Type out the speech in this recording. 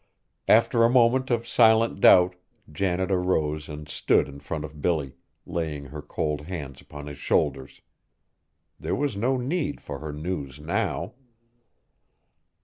After a moment of silent doubt, Janet arose and stood in front of Billy, laying her cold hands upon his shoulders. There was no need for her news now!